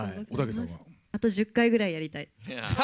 あと１０回ぐらいやりたい。